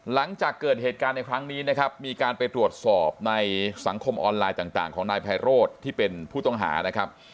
หลังจากเกิดเหตุการณ์ในครั้งนี้นะครับมีการไปตรวจสอบในสังคมออนไลน์ต่างของนายไพโรธที่เป็นผู้ต้องหานะครับ